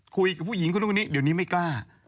คุยกับผู้หญิงคนนู้นคนนี้เดี๋ยวนี้ไม่กล้า